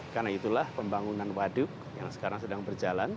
karena itulah pembangunan waduk yang sekarang sedang berjalan